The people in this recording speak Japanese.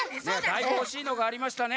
だいぶおしいのがありましたね。